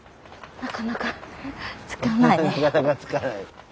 なかなかつかない。